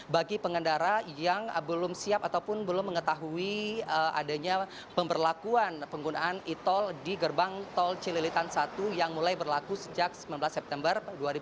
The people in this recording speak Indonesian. bagi pengendara yang belum siap ataupun belum mengetahui adanya pemberlakuan penggunaan e tol di gerbang tol cililitan satu yang mulai berlaku sejak sembilan belas september dua ribu dua puluh